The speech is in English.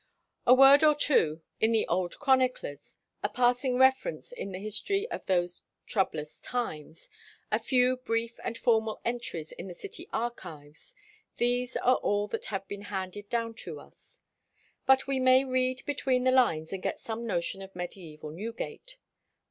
A word or two in the old chroniclers, a passing reference in the history of those troublous times, a few brief and formal entries in the city archives—these are all that have been handed down to us. But we may read between the lines and get some notion of mediæval Newgate.